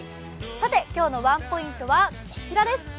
今日のワンポイントはこちらです。